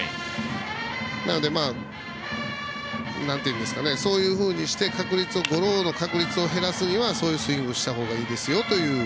なので、そういうふうにしてゴロの確率を減らすにはそういうスイングをした方がいいですよと。